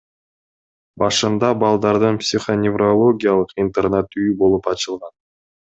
Башында балдардын психоневрологиялык интернат үйү болуп ачылган.